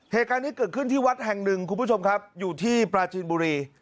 เหตุการณ์นี้เกิดขึ้นที่วัดแห่งหนึ่งคุณผู้ชมครับอยู่ที่ปราจีนบุรี